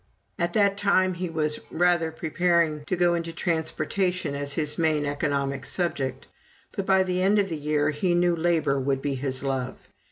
At that time he was rather preparing to go into Transportation as his main economic subject. But by the end of the year he knew Labor would be his love.